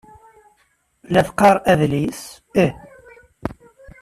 La teqqar adlis? Ih.